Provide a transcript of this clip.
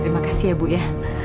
terima kasih ya bu ya